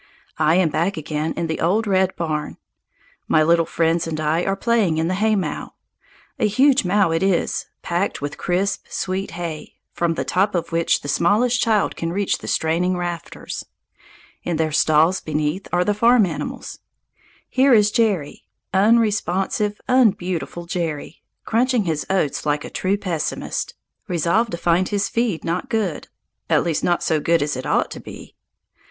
I am back again in the old red barn. My little friends and I are playing in the haymow. A huge mow it is, packed with crisp, sweet hay, from the top of which the smallest child can reach the straining rafters. In their stalls beneath are the farm animals. Here is Jerry, unresponsive, unbeautiful Jerry, crunching his oats like a true pessimist, resolved to find his feed not good at least not so good as it ought to be.